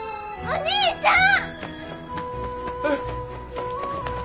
お兄ちゃん！